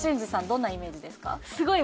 どんなイメージですか？